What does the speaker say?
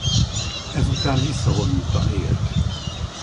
Ezután visszavonultan élt.